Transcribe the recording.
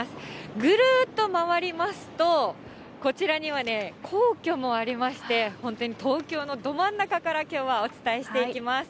ぐるっと回りますと、こちらにはね、皇居もありまして、本当に東京のど真ん中からきょうはお伝えしていきます。